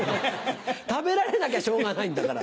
食べられなきゃしょうがないんだから。